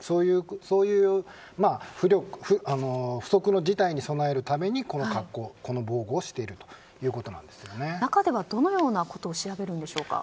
そういう不測の事態に備えるためこの防護をしている中ではどのようなことを調べるんでしょうか。